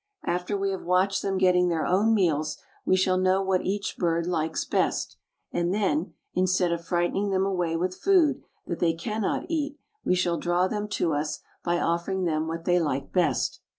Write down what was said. After we have watched them getting their own meals we shall know what each bird likes best, and then, instead of frightening them away with food that they cannot eat, we shall draw them to us by offering them what they like best.